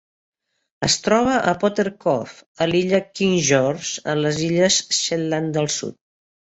Es troba a Potter Cove, a l'illa King George, a les illes Shetland del Sud.